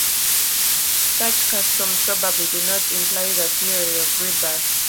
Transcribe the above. Such customs probably do not imply the theory of rebirth.